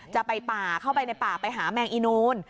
จะไปป่าเข้าไปในป่าไปหาแมงอีนูน